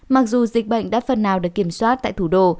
mặc dù dịch bệnh đã phần nào được kiểm soát tại thủ đô